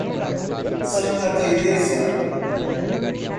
Santa Teresa